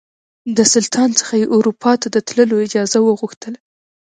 د سلطان څخه یې اروپا ته د تللو اجازه وغوښتله.